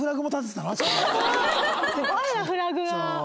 すごいなフラグが。